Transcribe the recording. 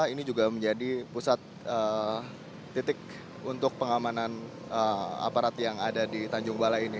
ini juga menjadi pusat titik untuk pengamanan aparat yang ada di tanjung balai ini